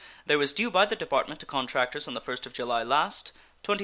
There was due by the Department to contractors on the first of July last $26,548.